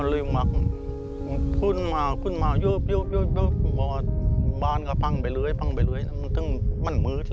เดี๋ยวพลังตามศพมาเข้ามีเกิดคว้นสุด